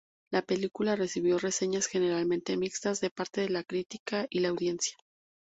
La película recibió reseñas generalmente mixtas de parte de la crítica y la audiencia.